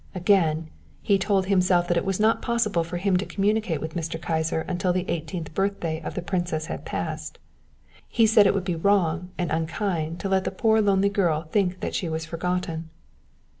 Again, he told himself that it was not possible for him to communicate with Mr. Kyser until the eighteenth birthday of the princess had passed. He said it would be wrong and unkind to let the poor lonely girl think that she was forgotten.